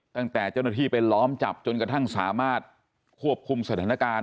ตั้งแต่เจ้าหน้าที่ไปล้อมจับจนกระทั่งสามารถควบคุมสถานการณ์